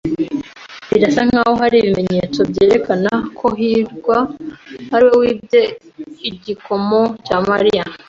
Birasa nkaho hari ibimenyetso byerekana ko hirwa ariwe wibye igikomo cya Mariya.